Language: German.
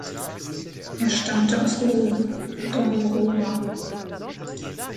Er stammte aus Rom "(domo Roma)".